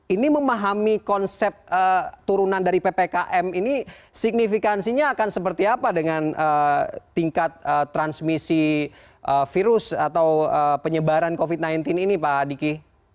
ini memahami konsep turunan dari ppkm ini signifikansinya akan seperti apa dengan tingkat transmisi virus atau penyebaran covid sembilan belas ini pak adiki